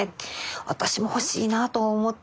私も欲しいなと思って。